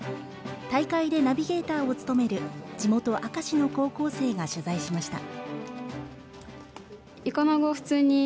大会でナビゲーターを務める地元・明石の高校生が取材しました。